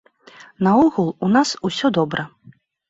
Наогул, у нас усё добра.